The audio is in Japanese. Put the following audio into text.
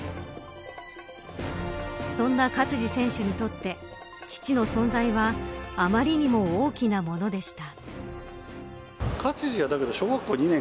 そんな勝児選手にとって父の存在はあまりにも大きなものでした。